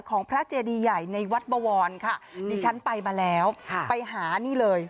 ของพระเจดีใหญ่ในวัดบวรค่ะดิฉันไปมาแล้วไปหานี่เลย